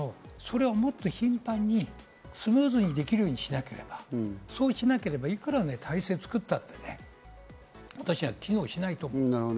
それをもっと頻繁にスムーズにできるようにしなければ、そうしなければいくら体制を作ったって私は機能しないと思う。